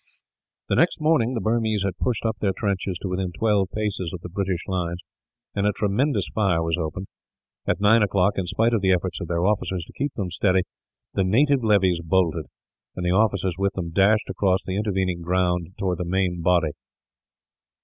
The next morning, the Burmese had pushed up their trenches to within twelve paces of the British lines, and a tremendous fire was opened. At nine o' clock, in spite of the efforts of their officers to keep them steady, the native levies bolted; and the officers with them dashed across the intervening ground towards the main body.